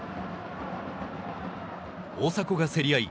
大迫が競り合い